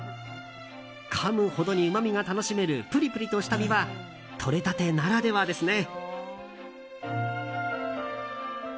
かむほどにうまみが楽しめるプリプリとした身はとれたてならではですね。